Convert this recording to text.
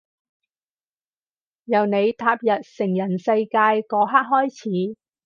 由你踏入成人世界嗰刻開始